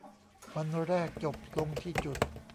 วันแรกจบลงที่จุด